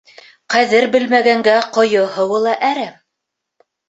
Ҡәҙер белмәгәнгә ҡойо һыуы ла әрәм.